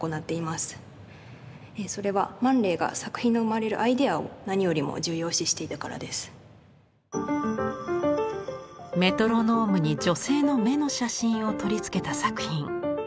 それはマン・レイがメトロノームに女性の目の写真を取り付けた作品。